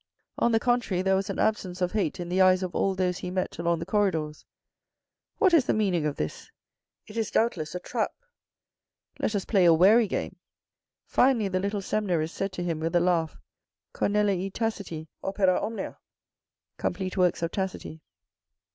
On the contrary, there was an absence of hate in the eyes of all those he met along the corridors. " What is the meaning of this? It is doubtless a trap. Let us play a wary game." Finally the little seminarist said to him with a laugh, " Cornelii Taciti opera omnia (complete works of Taciti)."